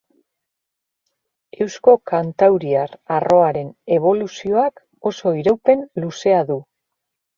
Eusko-kantauriar arroaren eboluzioak oso iraupen luzea du.